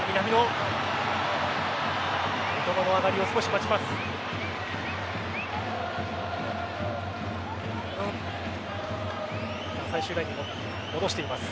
三笘の上がりを少し待ちます。